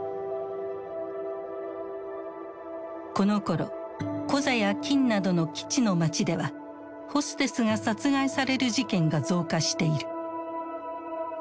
このころコザや金武などの基地の街ではホステスが殺害される事件が増加している。